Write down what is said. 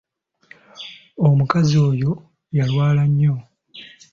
Omukazi oyo yalwala nnyo.